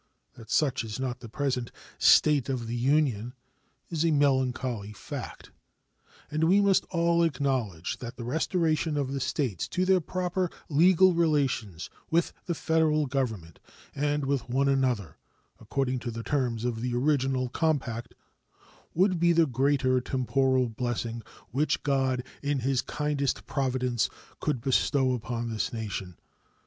That such is not the present "state of the Union" is a melancholy fact, and we must all acknowledge that the restoration of the States to their proper legal relations with the Federal Government and with one another, according to the terms of the original compact, would be the greatest temporal blessing which God, in His kindest providence, could bestow upon this nation.